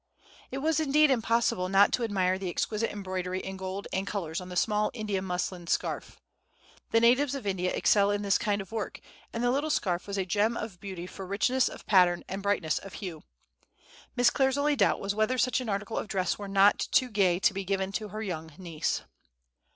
It was indeed impossible not to admire the exquisite embroidery in gold and colors on the small India muslin scarf. The natives of India excel in this kind of work, and the little scarf was a gem of beauty for richness of pattern and brightness of hue. Miss Clare's only doubt was whether such an article of dress were not too gay to be given to her young niece.